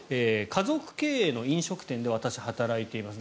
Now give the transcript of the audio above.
家族経営の飲食店で私、働いています。